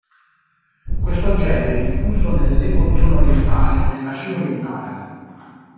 Questo genere è diffuso nell'Ecozona orientale e nella Cina orientale.